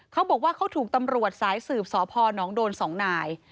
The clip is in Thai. เขาบอกว่าเขาถูกตำรวจสายสืบสพนโดน๒นาย